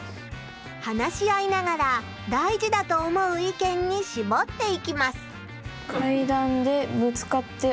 話し合いながら大事だと思う意見にしぼっていきます。